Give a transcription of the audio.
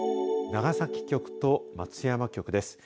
長崎局と松山局です。